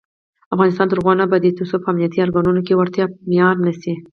افغانستان تر هغو نه ابادیږي، ترڅو په امنیتي ارګانونو کې وړتیا معیار نشي.